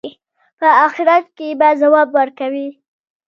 په آخرت کې به ځواب ورکوي.